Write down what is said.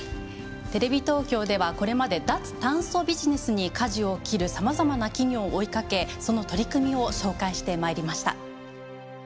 テレビ東京ではこれまで脱炭素ビジネスにかじを切るさまざまな企業を追いかけその取り組みを紹介してまいりました。